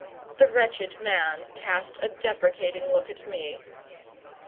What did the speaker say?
The wretched man cast a deprecating look at me.